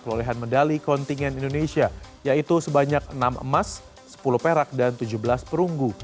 perolehan medali kontingen indonesia yaitu sebanyak enam emas sepuluh perak dan tujuh belas perunggu